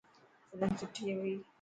فلم سٺي هئي.